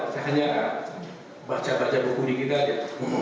saya hanya baca baca buku di kita aja